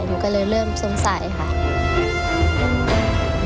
หนูเชื่อค่ะตอนแรก